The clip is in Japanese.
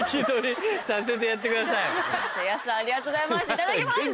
いただきます。